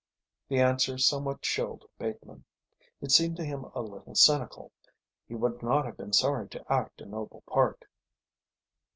The answer somewhat chilled Bateman. It seemed to him a little cynical. He would not have been sorry to act a noble part.